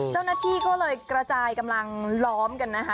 เจ้าหน้าที่ก็เลยกระจายกำลังล้อมกันนะคะ